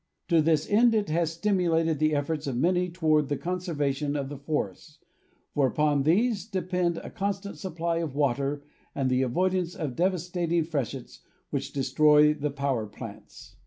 To this end it has stimulated the efforts of many toward the conservation of the forests, for upon these depend a constant supply of water and the avoidance of devastating freshets which destroy the power plants.